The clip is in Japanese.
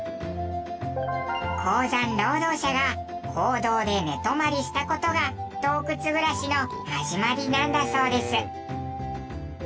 鉱山労働者が坑道で寝泊まりした事が洞窟暮らしの始まりなんだそうです。